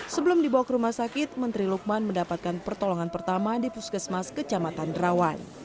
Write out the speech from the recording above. sebelum dibawa ke rumah sakit menteri lukman mendapatkan pertolongan pertama di puskesmas kecamatan derawan